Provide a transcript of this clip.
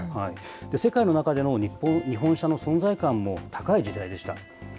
世界の中での日本車の存在感も高い時代でした。